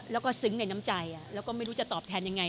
แล้วก็ซึ้งในน้ำใจแล้วก็ไม่รู้จะตอบแทนยังไง